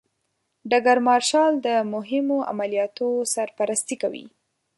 ډګر مارشال د مهمو عملیاتو سرپرستي کوي.